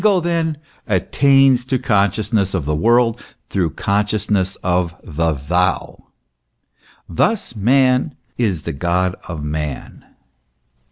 The ego, then, attains to consciousness of the world through consciousness of the thou. Thus man is the God of man.